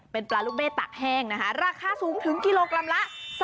เป็นปลาลูกเบ้ตักแห้งนะคะราคาสูงถึงกิโลกรัมละ